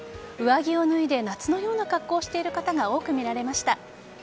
上着を脱いで夏のような格好をしている方が多く見られました。